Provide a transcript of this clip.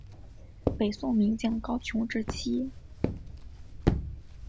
北宋名将高琼之妻。